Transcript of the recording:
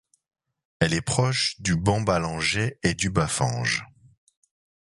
Elle est proche du bambalanget du bafanj.